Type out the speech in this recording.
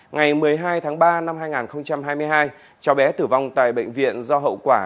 ngày một mươi hai tháng ba năm hai nghìn hai mươi hai cháu bé tử vong tại bệnh viện do hậu quả